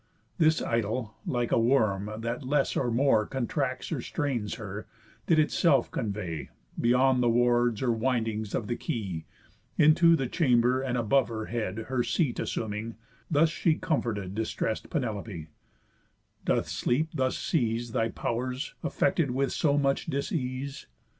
This idol, like a worm, that less or more Contracts or strains her, did itself convey, Beyond the wards or windings of the key, Into the chamber, and, above her head Her seat assuming, thus she comforted Distress'd Penelope: "Doth sleep thus seize Thy pow'rs, affected with so much dis ease?